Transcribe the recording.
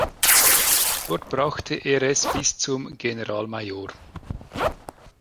Dort brachte er es bis zum Generalmajor.